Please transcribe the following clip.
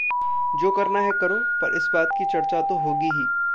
जो करना है करो, पर इस बात की चर्चा तो हो गी ही।